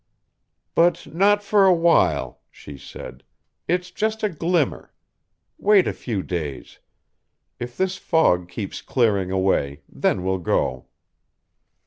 "But not for awhile," she said. "It's just a glimmer. Wait a few days. If this fog keeps clearing away, then we'll go."